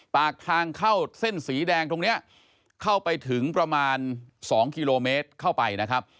ปากทางเข้าเส้นสีแดงตรงนี้เข้าไปถึงประมาณ๒กิโลเมตรเข้าไปนะครับ